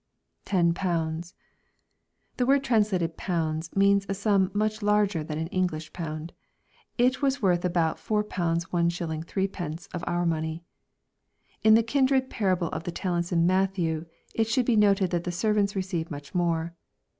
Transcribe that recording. [Ten pcvynds.} The word translated " pound/* means a sum much larger than an English pound. It was worth about £A Is. Sd. of our money. In the kindred parable of the talents in Matthew, it should be noted the servants receive much more.